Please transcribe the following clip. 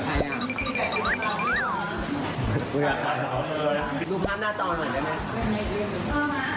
ตีแบทดูภาพนี่หรอ